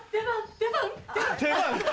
「出番」！